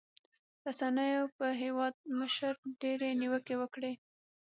رسنيو پر هېوادمشر ډېرې نیوکې وکړې.